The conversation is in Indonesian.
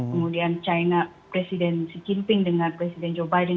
kemudian china presiden xi jinping dengan presiden joe biden